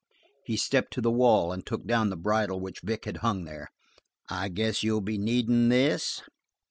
He stepped to the wall and took down the bridle which Vic had hung there. "I guess you'll be needin' this?"